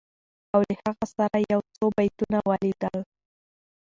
او له هغه سره یو څو بیتونه ولیدل